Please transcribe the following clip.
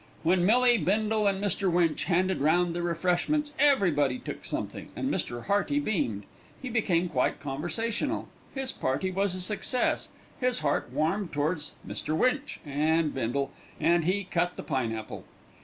When Millie, Bindle, and Mr. Winch handed round the refreshments everybody took something, and Mr. Hearty beamed. He became quite conversational. His party was a success. His heart warmed towards Mr. Winch and Bindle, and he cut the pineapple.